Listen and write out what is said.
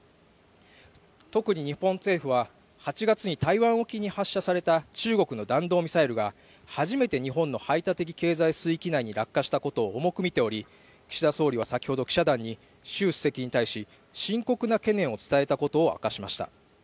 特に日本政府は８月に台湾沖に発射された中国の弾道ミサイルが初めて日本の排他的経済水域内に落下したことを重く見ており、岸田総理は先ほど記者団に習主席に対し深刻な懸念を伝えたことを明らかにしました。